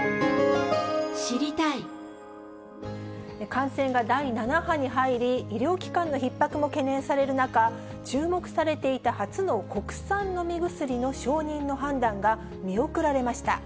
感染が第７波に入り、医療機関のひっ迫も懸念される中、注目されていた初の国産飲み薬の承認の判断が見送られました。